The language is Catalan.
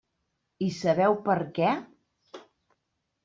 I sabeu per què?